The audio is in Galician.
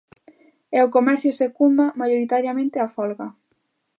E o comercio secunda maioritariamente a folga.